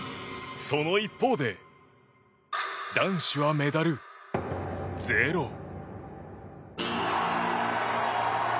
その一方で、男子はメダルゼロ。